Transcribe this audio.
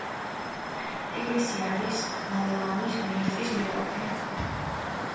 ეკლესია არის ვალაამის მონასტრის მეტოქი.